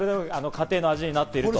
家庭の味になっていると。